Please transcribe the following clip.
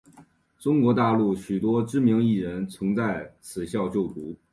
中国大陆许多知名艺人曾在此校就读。